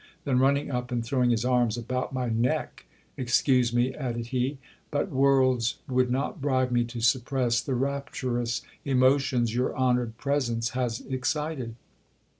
Then running up and throwing his arms about my neck, Excuse me, added he ; but worlds would not bribe me to suppress the rapturous emotions your honoured presence has excited.